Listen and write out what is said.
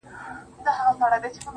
نورو ته مي شا کړې ده تاته مخامخ یمه.